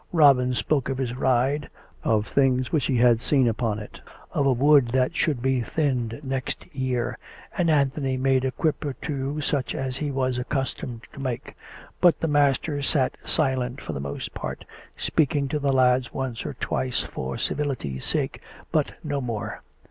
Robin spoke of his ride, of things which he had seen upon it, of a wood that should be thinned next year; and Anthony made a quip or two such as he was accustomed to make ; but the master sat silent for the most part, speak ing to the lads once or twice for civility's sake, but no more.